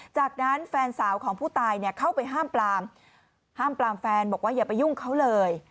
จากนั้นแฟนสาวของผู้ตายเข้าไปห้ามปลามแฟนบอกว่าอย่าไปยุ่งเขาเลย